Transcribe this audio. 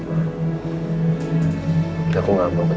aku gak mau kejadian kayak begini ke orang lagi